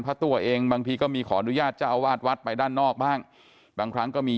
ตัวเองบางทีก็มีขออนุญาตเจ้าวาดวัดไปด้านนอกบ้างบางครั้งก็มี